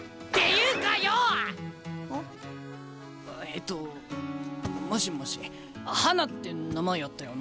えっともしもし花って名前やったよな